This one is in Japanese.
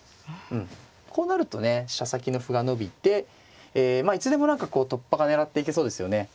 こうなるとね飛車先の歩が伸びていつでも何かこう突破が狙っていけそうですよね。